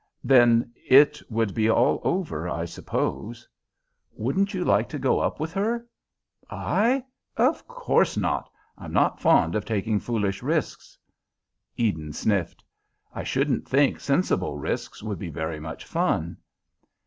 Then it would be all over, I suppose." "Wouldn't you like to go up with her?" "I? Of course not. I'm not fond of taking foolish risks." Eden sniffed. "I shouldn't think sensible risks would be very much fun."